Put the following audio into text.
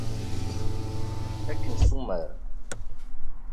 Ad k-nessumar.